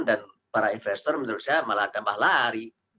dan para investor menurut saya malah tambah lari